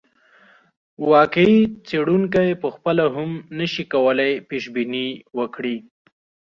واقعي څېړونکی پخپله هم نه شي کولای پیشبیني وکړي.